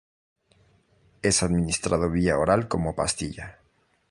Es administrado vía oral como pastilla.